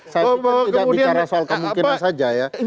saya pikir tidak bicara soal kemungkinan saja ya